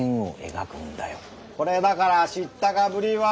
これだから知ったかぶりは！